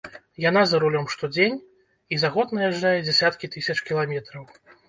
Яна за рулём штодзень, і за год наязджае дзясяткі тысяч кіламетраў.